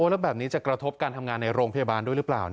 แล้วแบบนี้จะกระทบการทำงานในโรงพยาบาลด้วยหรือเปล่า